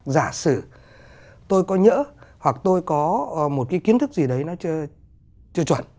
giả sử tôi có nhỡ hoặc tôi có một cái kiến thức gì đấy nó chưa chuẩn